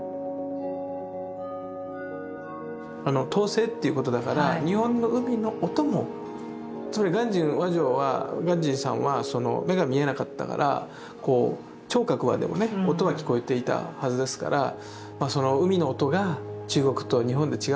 「濤声」っていうことだから日本の海の音もつまり鑑真和上は鑑真さんは目が見えなかったから聴覚はでもね音は聞こえていたはずですからその海の音が中国と日本で違うのか